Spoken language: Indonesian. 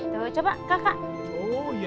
tuh coba kakak